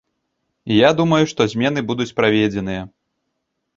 Я думаю, што змены будуць праведзеныя.